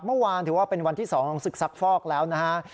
เมื่อวานถือว่าเป็นวันที่๒ของศึกซักฟอกแล้วนะฮะ